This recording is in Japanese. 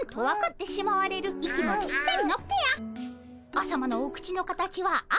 あさまのお口の形は「あ」。